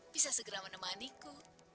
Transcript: bisa segera menemaniku